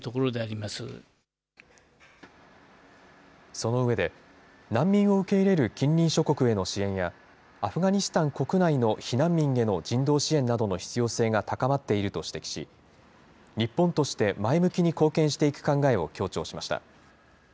その上で、難民を受け入れる近隣諸国への支援や、アフガニスタン国内の避難民への人道支援などの必要性が高まっていると指摘し、日本として前向きに貢献していく考えを強調しました。